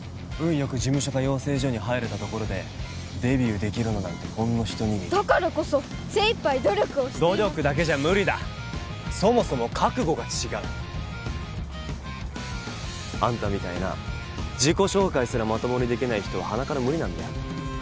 よく事務所か養成所に入れたところでデビューできるのなんてほんの一握りだからこそ精いっぱい努力を努力だけじゃ無理だそもそも覚悟が違うあんたみたいな自己紹介すらまともにできない人ははなから無理なんだよ